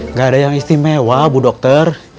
nggak ada yang istimewa ibu dokter